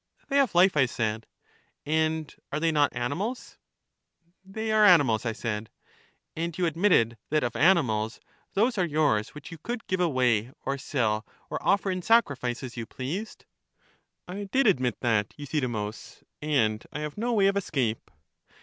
They have life, I said. And are they not animals? They are animals, I said. And you admitted that of animals those are yours which you could give away or sell or offer in sacrifice, as you pleased? I did admit that, Euthydemus, and I have no way of escape.